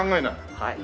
はい。